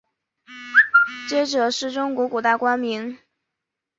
谒者是中国古代官名。